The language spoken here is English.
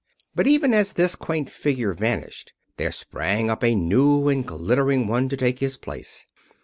But even as this quaint figure vanished there sprang up a new and glittering one to take his place.